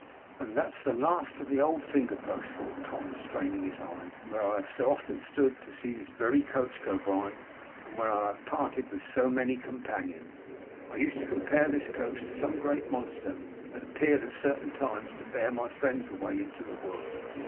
'And that's the last of the old finger post,' thought Tom, straining his eyes, 'where I have so often stood to see this very coach go by, and where I have parted with so many companions! I used to compare this coach to some great monster that appeared at certain times to bear my friends away into the world.